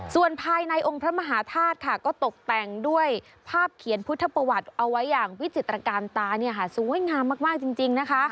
ส่วนภายในองค์พระมหาธาตุค่ะก็ตกแต่งด้วยภาพเขียนพุทธประวัติเอาไว้อย่างวิจิตรการตาสวยงามมากจริงนะคะ